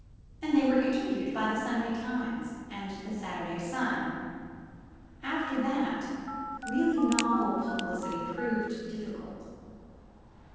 — and they were interviewed by the Sunday Times and the Saturday Sun. After that, really novel publicity proved difficult.